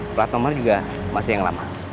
plat nomor juga masih yang lama